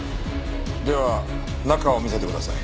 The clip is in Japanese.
では中を見せてください。